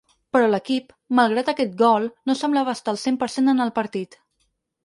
Però l’equip, malgrat aquest gol, no semblava estar al cent per cent en el partit.